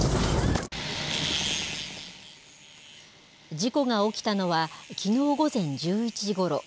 事故が起きたのは、きのう午前１１時ごろ。